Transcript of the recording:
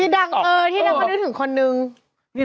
ที่ดังเออที่ดังก็นึกถึงคนหนึ่ง